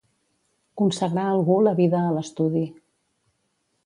Consagrar algú la vida a l'estudi.